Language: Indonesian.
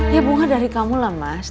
ya bunga dari kamu lah mas